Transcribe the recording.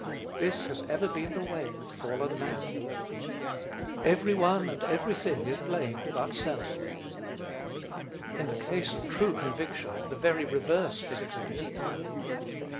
This has ever been the way with fallen man. Every one and every thing is blamed but self. In the case of true conviction, the very reverse is exhibited.